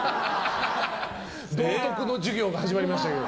道徳の授業が始まりましたけど。